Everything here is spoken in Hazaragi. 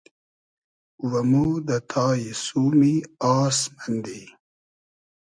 و مۉ دۂ تایی سومی آس مئندی